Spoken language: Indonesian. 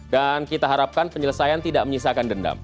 dan kita harapkan penyelesaian tidak menyisakan dendam